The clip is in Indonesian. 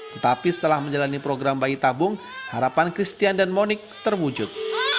tetapi setelah menjalani program bayi tabung harapan christian dan monique terwujud